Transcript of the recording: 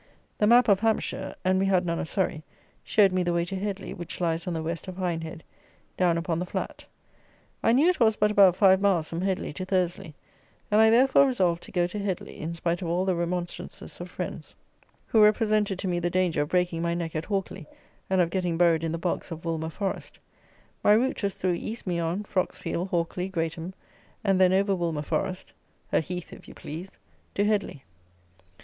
The map of Hampshire (and we had none of Surrey) showed me the way to Headley, which lies on the West of Hindhead, down upon the flat. I knew it was but about five miles from Headley to Thursley; and I, therefore, resolved to go to Headley, in spite of all the remonstrances of friends, who represented to me the danger of breaking my neck at Hawkley and of getting buried in the bogs of Woolmer Forest. My route was through East Meon, Froxfield, Hawkley, Greatham, and then over Woolmer Forest (a heath if you please), to Headley.